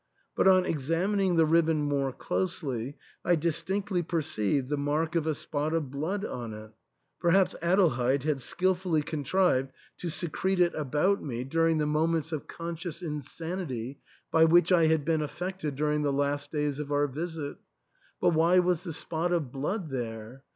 But, on examining the ribbon more closely, I distinctly per ceived the mark of a spot of blood on it ! Perhaps Adelheid had skilfully contrived to secrete it about me THE ENTAIL. 273 during the moments of conscious insanity by which I had been affected during the last days of our visit ; but why was the spot of blood there?